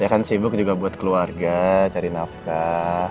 ya kan sibuk juga buat keluarga cari nafkah